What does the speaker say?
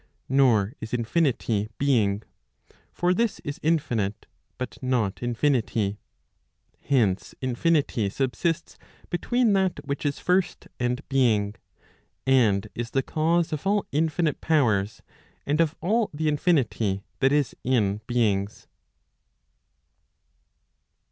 Nor is infinity beings For this is infinite, but not infinity. Hence infinity subsists between that which is first and being, and is the cause of all infinite powers, and of all die infinity that is in beings.